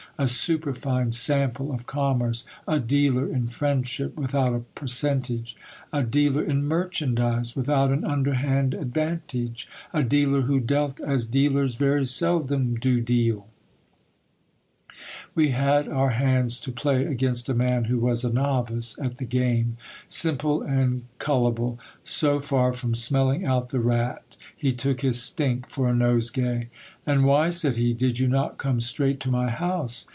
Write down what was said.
A superfine sample of commerce ! A dealer in friendship without a per centage ! A dealer in merchandise without an underhand advantage ! A dealer who dealt as dealers very seldom do deal ! We had our hands to play against a man who was a novice at the game. Simple and cullible, so far from smelling out the rat, he took his stink for a nosegay. And why, said he, did you not come straight to my house